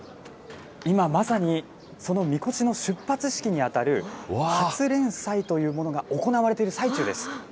今まさにそのみこしの出発式に当たる発輦祭というものが行われている最中です。